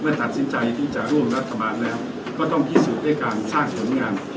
ตัดสินใจที่จะร่วมรัฐบาลแล้วก็ต้องพิสูจน์ด้วยการสร้างผลงาน